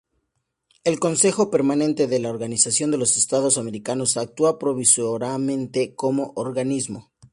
El Consejo Permanente de la Organización de los Estados Americanos actúa provisoriamente como organismo.